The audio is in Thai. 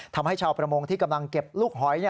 ทำให้ชาวประมงที่กำลังเก็บลูกหอย